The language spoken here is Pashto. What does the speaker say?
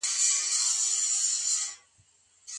د ستونزو حل کول انسان پیاوړی کوي.